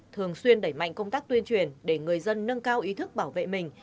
thường xuyên đẩy mạnh công tác tuyên truyền để người dân nâng cao ý thức bảo vệ mình